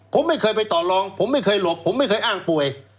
ผมไม่เคยไปต่อรองผมไม่เคยหลบผมไม่เคยอ้างป่วย